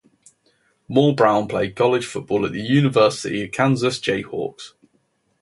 Moore-Brown played college football for the University of Kansas Jayhawks.